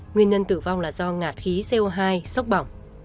nguyên nhân tử vong là do ngạt khí co hai sốc bỏng